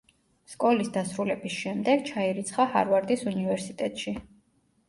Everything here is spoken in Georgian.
სკოლის დასრულების შემდეგ ჩაირიცხა ჰარვარდის უნივერსიტეტში.